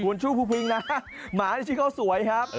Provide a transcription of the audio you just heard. คุณชื่อภูพิงนะหมานี่ชื่อข้าวสวยครับ